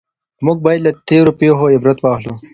موږ بايد له تېرو پېښو عبرت واخلو.